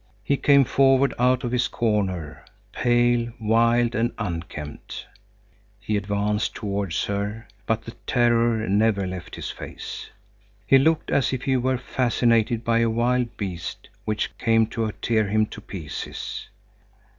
He came forward out of his corner, pale, wild and unkempt. He advanced towards her, but the terror never left his face. He looked as if he were fascinated by a wild beast, which came to tear him to pieces.